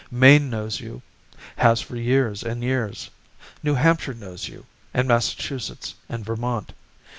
Maine knows you, Has for years and years; New Hampshire knows you, And Massachusetts And Vermont.